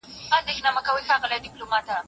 ځایي ستونزي څنګه ملي کېږي؟